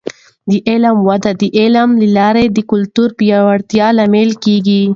د علم وده د علم له لارې د کلتور پیاوړتیا لامل کیږي.